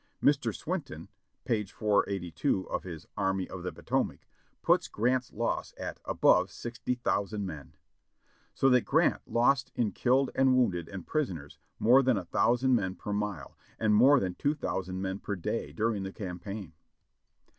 Mr. Swinton, p. 482 of his "Army of the Potomac," puts Grant's loss at "above sixty thousand men ;" so that Grant lost in killed and wounded and prisoners more than a thousand men per mile and more than two thousand men per day during the campaign.